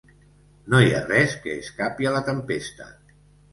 No hi ha res que escapi a la tempesta.